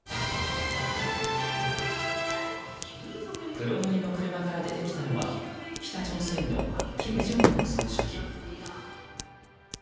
黒塗りの車から出てきたのは北朝鮮の金正恩総書記。